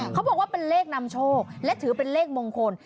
เขาบอกว่าเป็นเลขนำโชคและถือเป็นเลขมงคล